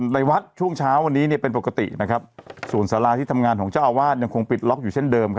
ในวัดช่วงเช้านี้เป็นปกติส่วนศลาที่ทำงานของเจ้าอาวาทคงปิดล็อกอยู่เช่นเดิม